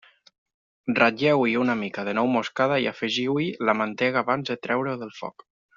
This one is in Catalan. Ratlleu-hi una mica de nou moscada i afegiu-hi la mantega abans de treure-ho del foc.